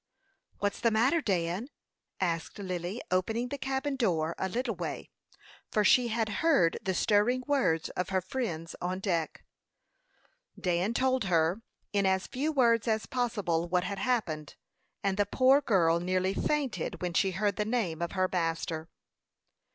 "What's the matter, Dan?" asked Lily, opening the cabin door a little way, for she had heard the stirring words of her friends on deck. Dan told her, in as few words as possible, what had happened, and the poor girl nearly fainted when she heard the name of her master.